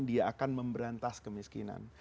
dia akan memberantas kemiskinan